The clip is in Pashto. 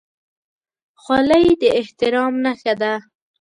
خولۍ د احترام نښه ده.